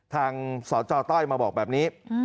สจต้อยมาบอกแบบนี้